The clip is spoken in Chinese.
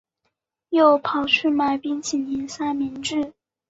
又跑去买冰淇淋三明治